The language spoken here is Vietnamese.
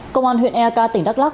công an huyện ek tỉnh đắk lắc